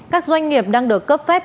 các doanh nghiệp đang được cấp phép